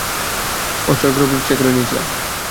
অস্ত্র আর গোলাবারুদ চেক করেছিলাম।